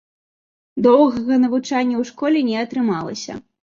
Доўгага навучання ў школе не атрымалася.